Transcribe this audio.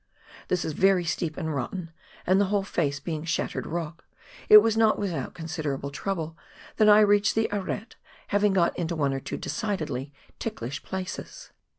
This is very steep and rotten, and the whole face being shattered rock, it was not without considerable trouble that I reached the arete, having got into one or two decidedly ticklish places.